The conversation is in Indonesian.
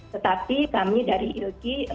tetapi kami dari ilky